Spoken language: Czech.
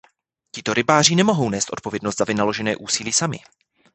Tito rybáři nemohou nést odpovědnost za vynaložené úsilí sami.